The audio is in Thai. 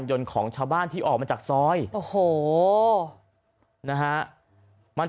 จังหวะเดี๋ยวจะให้ดูนะ